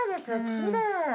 きれい！